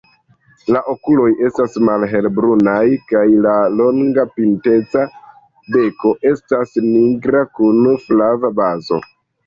La okuloj estas malhelbrunaj kaj la longa, pinteca beko estas nigra kun flava bazo.